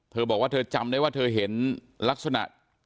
เธอบอกว่าเธอจำได้ว่าเธอเห็นลักษณะ